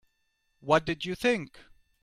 What did you think?